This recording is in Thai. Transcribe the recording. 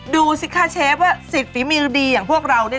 ดูสิคะเชฟว่าสิทธิ์ฝีมือดีอย่างพวกเราเนี่ย